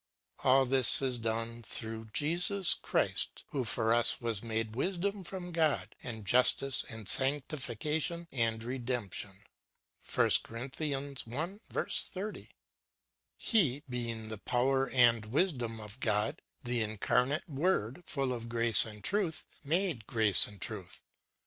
All this is done throu<┬½:h Jesus Christ, " who for us was made wisdom from God and justice and sanctifieation and redemption."^ lie, being the Power and Wisdom of God, the incarnate Word full of grace and truth, made grace and truth.